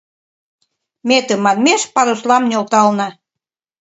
Ме тыманмеш паруслам нӧлтална.